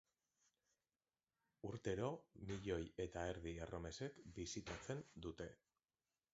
Urtero milioi eta erdi erromesek bisitatzen dute.